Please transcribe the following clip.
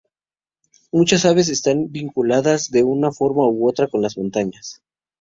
Muchas aves están vinculadas, de una forma u otra, con las montañas.